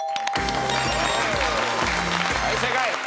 はい正解。